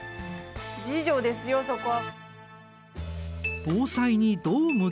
自助ですよそこは。